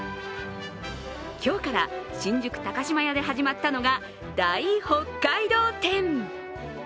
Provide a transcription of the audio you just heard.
今日から新宿高島屋で始まったのが大北海道展。